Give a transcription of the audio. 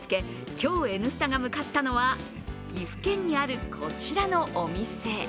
今日「Ｎスタ」が向かったのは、岐阜県にあるこちらのお店。